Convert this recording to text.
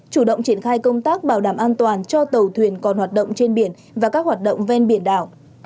chủ động triển khai công tác bảo đảm an toàn cho tàu thuyền còn hoạt động trên biển và các hoạt động ven biển đảo